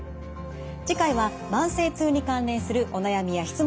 次回は慢性痛に関連するお悩みや質問にお答えします。